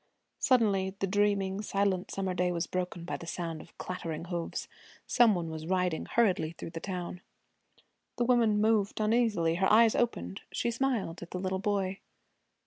Suddenly the dreaming, silent summer day was broken by the sound of clattering hoofs. Some one was riding hurriedly through the town. The woman moved uneasily. Her eyes opened. She smiled at the little boy.